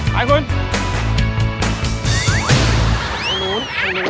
ไปคุณ